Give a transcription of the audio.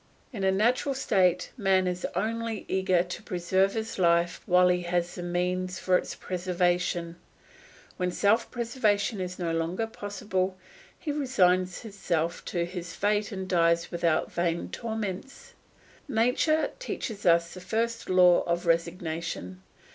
In a natural state man is only eager to preserve his life while he has the means for its preservation; when self preservation is no longer possible, he resigns himself to his fate and dies without vain torments. Nature teaches us the first law of resignation.